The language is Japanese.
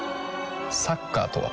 サッカーとは？